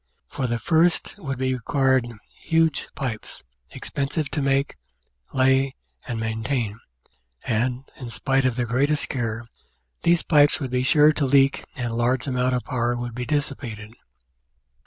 For the first would be required huge pipes, 796 The Outline of Science expensive to make, lay, and maintain ; and, in spite of the greatest care, these pipes would be sure to leak and a large amount of power would be dissipated.